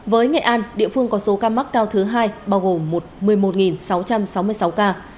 với nghệ an địa phương có số ca mắc cao thứ hai bao gồm một mươi một sáu trăm sáu mươi sáu ca